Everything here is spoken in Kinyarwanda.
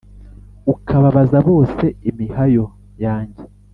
Ukabaza bose imihayo* yanjye